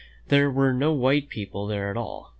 There were no white people there at all.